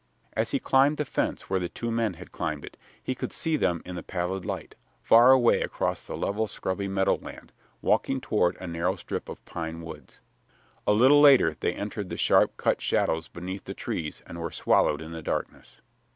As he climbed the fence where the two men had climbed it he could see them in the pallid light, far away across the level, scrubby meadow land, walking toward a narrow strip of pine woods. A little later they entered the sharp cut shadows beneath the trees and were swallowed in the darkness.